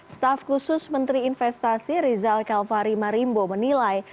staf khusus menteri investasi rizal kalvari marimbo menilai